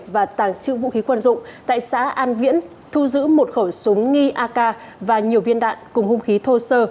và tàng trữ vũ khí quân dụng tại xã an viễn thu giữ một khẩu súng nghi ak và nhiều viên đạn cùng hung khí thô sơ